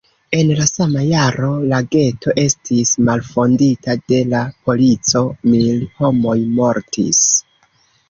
En la sama jaro la geto estis malfondita de la polico; mil homoj mortis.